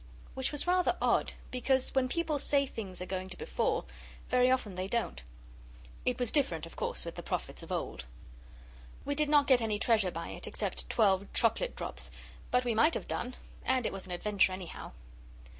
Which was rather odd, because when people say things are going to befall, very often they don't. It was different, of course, with the prophets of old. We did not get any treasure by it, except twelve chocolate drops; but we might have done, and it was an adventure, anyhow.